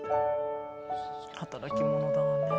働き者だわね。